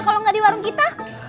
kalau nggak di warung kita